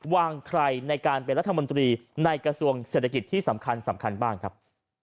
ใครในการเป็นรัฐมนตรีในกระทรวงเศรษฐกิจที่สำคัญสำคัญบ้างครับ